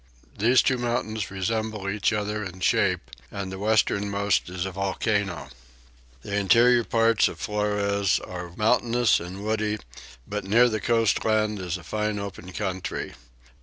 These two mountains resemble each other in shape and the westernmost is a volcano. The interior parts of Flores are mountainous and woody: but near the sea coast is a fine open country.